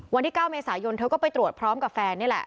วันที่๙เมษายนเธอก็ไปตรวจพร้อมกับแฟนนี่แหละ